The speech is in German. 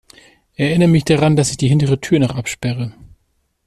Erinner mich daran, dass ich die hintere Tür noch absperre.